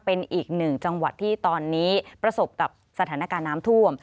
เป็นอีกหนึ่งจังหวัดที่ตอนนี้ประสบกับสถานการณ์น้ำท่วม